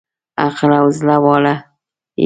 عقل او زړه واړه یې